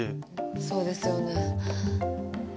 そうですよねえ。